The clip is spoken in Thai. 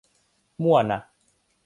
มั่วนะ